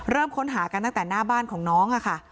ค้นหากันตั้งแต่หน้าบ้านของน้องค่ะ